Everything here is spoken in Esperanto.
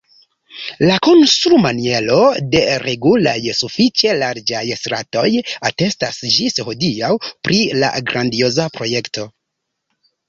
La konstrumaniero de regulaj, sufiĉe larĝaj stratoj atestas ĝis hodiaŭ pri la grandioza projekto.